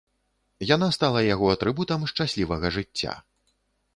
Яна стала яго атрыбутам шчаслівага жыцця.